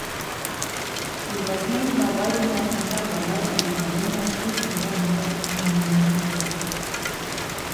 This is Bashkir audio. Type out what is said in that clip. Ибраһим бабай менән Хәсән бабай әбейҙәре менән иң түргә, мендәр өҫтөнә менеп ултырҙы.